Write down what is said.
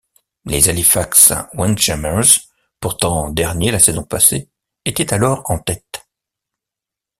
Les Halifax Windjammers, pourtant derniers la saison passée, étaient alors en tête.